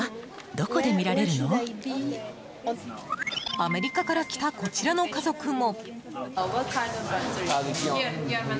アメリカから来たこちらの家族も。